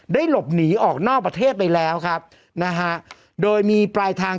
หลบหนีออกนอกประเทศไปแล้วครับนะฮะโดยมีปลายทาง